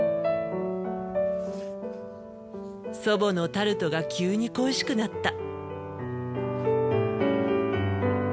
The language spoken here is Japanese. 祖母のタルトが急に恋しくなった。